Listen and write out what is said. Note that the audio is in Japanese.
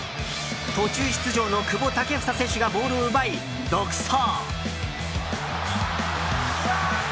途中出場の久保建英選手がボールを奪い、独走！